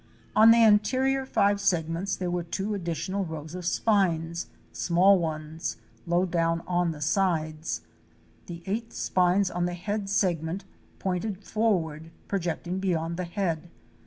On the anterior five segments there were two additional rows of spines, small ones, low down on the sides. The eight spines on the head segment pointed forward, projecting beyond the head.